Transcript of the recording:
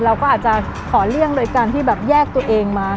เราก็อาจจะขอเลี่ยงโดยการที่แบบแยกตัวเองมา